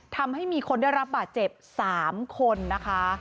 ทำให้มีคนได้รับบาดเจ็บ๓คนนะคะ